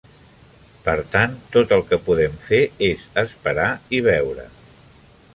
Per tant, tot el que podem fer és esperar i veure.